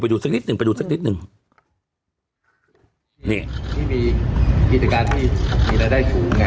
ดูสักนิดหนึ่งไปดูสักนิดหนึ่งนี่ที่มีกิจการที่มีรายได้สูงไง